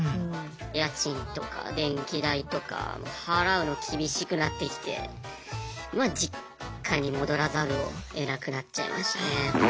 家賃とか電気代とか払うの厳しくなってきてまあ実家に戻らざるをえなくなっちゃいましたね。